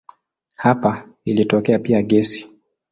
Hapa ilitokea pia gesi.